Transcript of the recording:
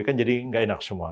kan jadi nggak enak semua